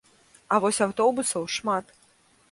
А вось аўтобусаў шмат.